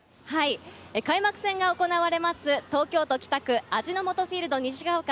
開幕戦が行われます東京都北区、味の素フィールド西が丘。